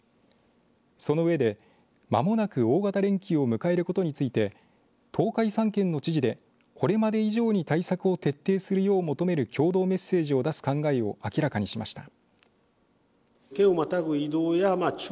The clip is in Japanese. そのうえで、まもなく大型連休を迎えることについて東海３県の知事でこれまで以上に対策を徹底するよう求める共同メッセージを出す考えを明らかにしました。